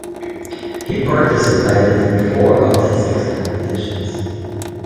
He participated in four of the six competitions.